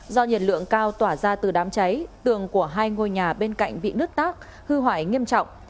do nhiệt lượng cao tỏa ra từ đám cháy tường của hai ngôi nhà bên cạnh bị nứt tác hư hỏng nghiêm trọng